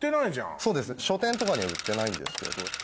そうです書店とかには売ってないんですけど。